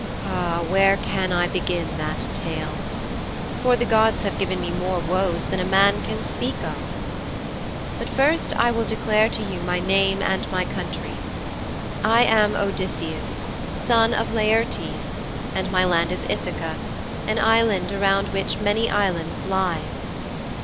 Ah, where can I begin that tale? For the gods have given me more woes than a man can speak of!' 'But first of all I will declare to you my name and my country. I am ODYSSEUS, SON OF LAERTES, and my land is Ithaka, an island around which many islands lie.